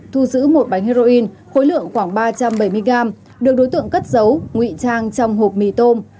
thu giữ một bánh heroin khối lượng khoảng ba trăm bảy mươi gram được đối tượng cất giấu nguy trang trong hộp mì tôm